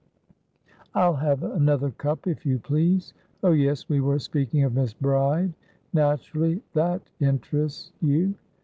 "I'll have another cup, if you please. Oh yes, we were speaking of Miss Bride. Naturally, that interests you.